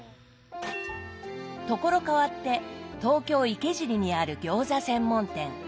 所変わって東京・池尻にある餃子専門店。